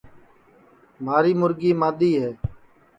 مھاری مُرگی مادؔی ہے